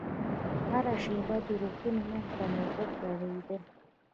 هره شېبه د روغتون مخې ته موټر درېدل.